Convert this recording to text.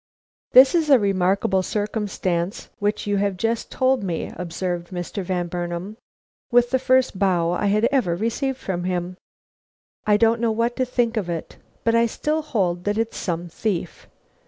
"This is a remarkable circumstance which you have just told me," observed Mr. Van Burnam, with the first bow I had ever received from him. "I don't know what to think of it. But I still hold that it's some thief.